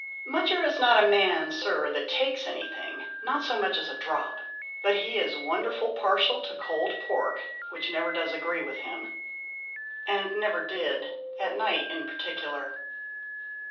Mutcher is not a man, Sir, that takes anything, not so much as a drop ; but he is wonderful partial to cold pork, which never does agree with him, and never did, at night in partic'lar."